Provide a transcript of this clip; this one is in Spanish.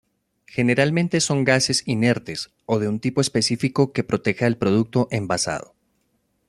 Generalmente son gases inertes, o de un tipo específico que proteja el producto envasado.